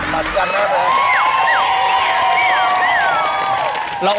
อ่อนี้อยู่เค้าเห็นอะไร